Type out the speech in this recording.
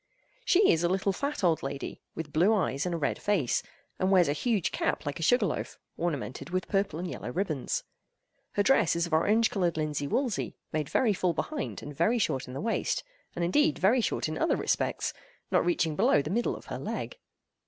She is a little fat old lady, with blue eyes and a red face, and wears a huge cap like a sugar loaf, ornamented with purple and yellow ribbons. Her dress is of orange colored linsey woolsey, made very full behind and very short in the waist—and indeed very short in other respects, not reaching below the middle of her leg.